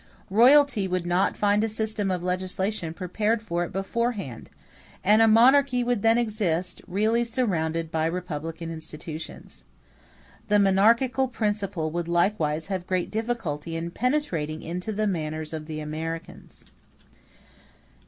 Royalty would not find a system of legislation prepared for it beforehand; and a monarchy would then exist, really surrounded by republican institutions. The monarchical principle would likewise have great difficulty in penetrating into the manners of the Americans.